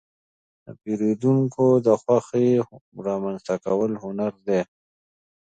د پیرودونکو د خوښې رامنځته کول هنر دی.